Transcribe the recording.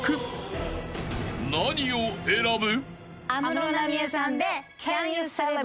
［何を選ぶ？］